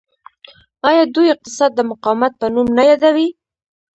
آیا دوی اقتصاد د مقاومت په نوم نه یادوي؟